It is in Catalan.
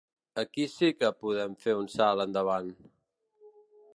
Aquí sí que podem fer un salt endavant.